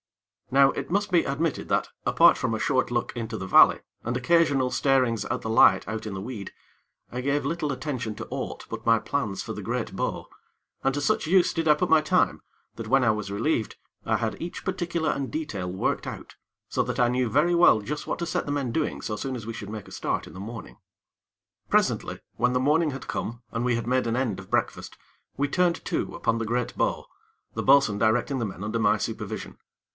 Now it must be admitted that, apart from a short look into the valley, and occasional starings at the light out in the weed, I gave little attention to aught but my plans for the great bow, and to such use did I put my time, that when I was relieved, I had each particular and detail worked out, so that I knew very well just what to set the men doing so soon as we should make a start in the morning. Presently, when the morning had come, and we had made an end of breakfast, we turned to upon the great bow, the bo'sun directing the men under my supervision.